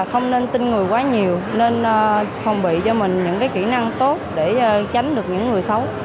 không nên tin người quá nhiều nên phòng bị cho mình những kỹ năng tốt để tránh được những người xấu